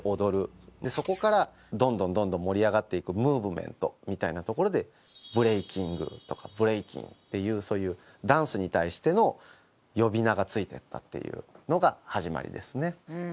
でそこからどんどんどんどん盛り上がっていくムーブメントみたいなところで「ブレイキング」とか「ブレイキン」っていうそういうダンスに対しての呼び名が付いてったっていうのが始まりですね。